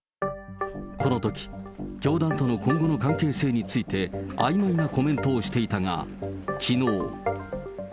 このとき、教団との今後の関係性についてあいまいなコメントをしていたが、きのう。